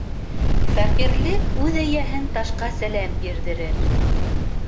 Фәҡирлек үҙ эйәһен ташҡа сәләм бирҙерер.